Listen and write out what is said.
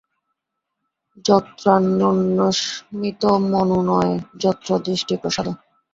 যত্রান্যোন্যস্মিতমনুনয় যত্র দৃষ্টিঃ প্রসাদঃ।